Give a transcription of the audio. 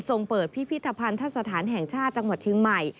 เปิดพิพิธภัณฑสถานแห่งชาติจังหวัดเชียงใหม่